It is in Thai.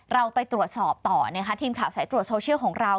เราไปตรวจสอบต่อนะคะทีมข่าวสายตรวจโซเชียลของเรา